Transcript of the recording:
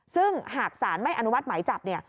ซึ่งหากสารไม่อนุมัติหมายจับเนี่ย